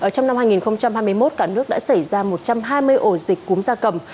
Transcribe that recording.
trong năm hai nghìn hai mươi một cả nước đã xảy ra một trăm hai mươi ổ dịch cúm da cầm